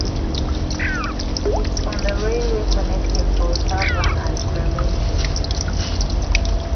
It is on the railway connecting Poltava and Kremenchuk.